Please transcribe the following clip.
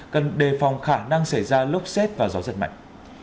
cần đề phòng khả năng xảy ra lốc xét và gió giật mạnh